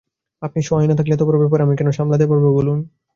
আপনি সহায় না থাকলে এতবড় ব্যাপার আমি কেন সামলাতে পারব বলুন?